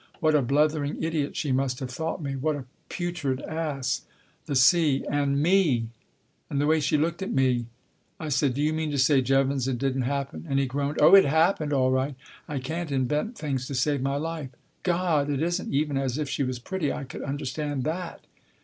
What a blethering idiot she must have thought me ! What a putrid ass ! The sea And me !" And the way she looked at me " I said, " D'you mean to say, Jevons, it didn't happen ?" And he groaned. " Oh, it happened all right. I can't invent things to save my life. " God ! It isn't even as if she was pretty. I could understand that.''